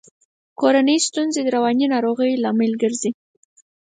کورنۍ ستونزي د رواني ناروغیو لامل ګرزي.